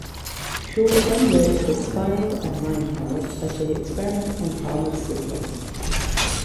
Shaw then worked with Spiral and Mindmeld as they experiment on Karma's siblings.